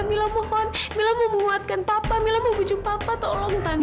mila mohon mila mau menguatkan papa mila mau bujung papa tolong tante